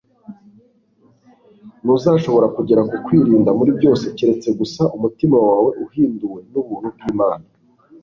ntuzashobora kugera ku kwirinda muri byose keretse gusa umutima wawe uhinduwe n'ubuntu bw'imana